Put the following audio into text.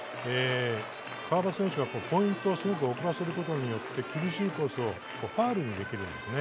川端選手はポイントを遅らせることによって厳しいコースをファウルにできるんですね。